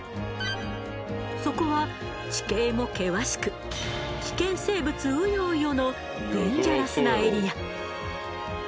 そこは地形も険しく危険生物うようよのデンジャラスなエリア。